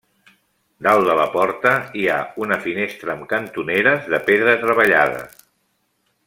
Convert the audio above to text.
Dalt de la porta hi ha una finestra amb cantoneres de pedra treballada.